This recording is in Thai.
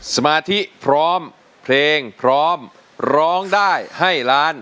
สมาธิพร้อมเพลงพร้อมร้องได้ให้ล้าน